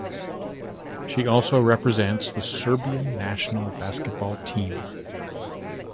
She also represents the Serbian national basketball team.